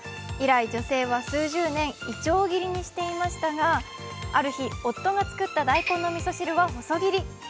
以来、女性は数十年、いちょう切りにしていましたが、ある日、夫が作った大根の味噌汁は細切り。